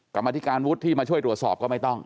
กรรมธิการวุฒิที่มาช่วยตรวจสอบก็ไม่ต้อง